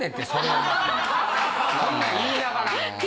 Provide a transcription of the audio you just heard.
文句言いながら。